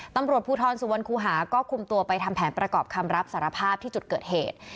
ตำรวจภูทรสุวรรคูหาก็คุมตัวไปทำแผนประกอบคำรับสารภาพที่จุดเกิดเหตุ